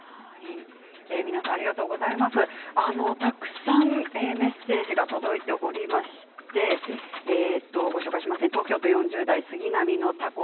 たくさんメッセージが届いておりまして東京都４０代の方からです。